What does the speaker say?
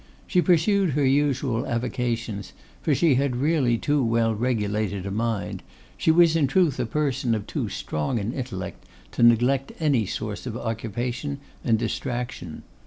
She pursued her usual avocations, for she had really too well regulated a mind, she was in truth a person of too strong an intellect, to neglect any source of occupation and distraction.